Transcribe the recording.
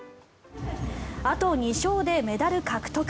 あと２勝でメダル獲得。